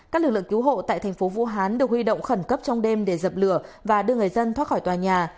các lực lượng cứu hộ tại thành phố vũ hán được huy động khẩn cấp trong đêm để dập lửa và đưa người dân thoát khỏi tòa nhà